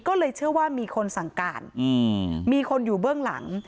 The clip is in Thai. ก็เลยเชื่อว่ามีคนสั่งการมีคนอยู่เบื้องหลัง